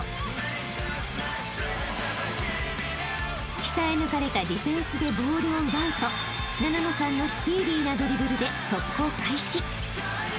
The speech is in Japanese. ［鍛え抜かれたディフェンスでボールを奪うとななのさんのスピーディーなドリブルで速攻開始］